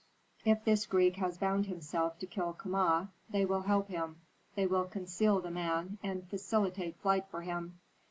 If this Greek has bound himself to kill Kama, they will help him, they will conceal the man, and facilitate flight for him."